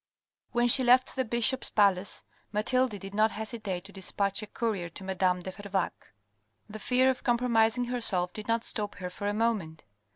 When she left the bishop's palace, Mathilde did not hesitate to despatch a courier to madame de Fervaques. The fear of compromising herself did not stop her for a moment.